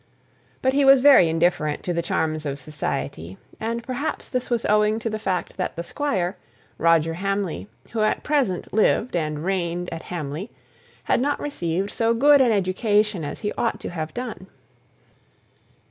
But he was very indifferent to the charms of society; and perhaps this was owing to the fact that the squire, Roger Hamley, who at present lived and reigned at Hamley, had not received so good an education as he ought to have done.